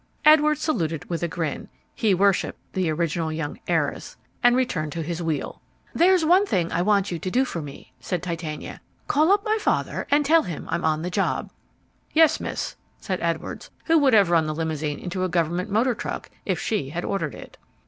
Edwards saluted with a grin he worshipped the original young heiress and returned to his wheel. "There's one thing I want you to do for me," said Titania. "Call up my father and tell him I'm on the job." "Yes, miss," said Edwards, who would have run the limousine into a government motor truck if she had ordered it.